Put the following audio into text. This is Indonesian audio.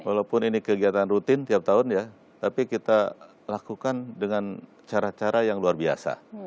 walaupun ini kegiatan rutin tiap tahun ya tapi kita lakukan dengan cara cara yang luar biasa